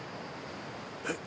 えっ？